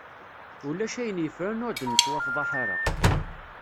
Ulac ayen yeffren ur d-nettwafḍaḥ ara.